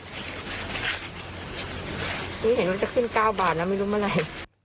เห็นว่าจะขึ้น๙บาทแล้วไม่รู้เมื่อไหร่